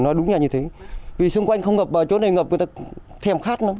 nói đúng như thế vì xung quanh không ngập chỗ này ngập người ta thèm khát lắm